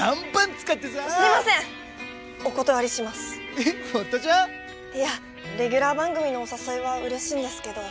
えっ堀田ちゃん？いやレギュラー番組のお誘いはうれしいんですけど